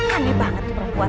aneh banget itu perempuan